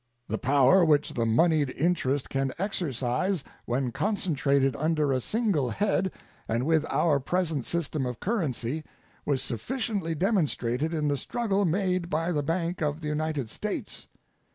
The power which the moneyed interest can exercise, when concentrated under a single head and with our present system of currency, was sufficiently demonstrated in the struggle made by the Bank of the United States.